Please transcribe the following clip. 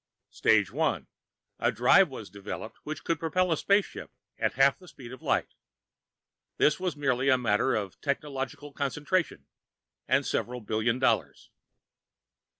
Stage One: A drive was developed which could propel a spaceship at half the speed of light. This was merely a matter of technological concentration, and several billion dollars.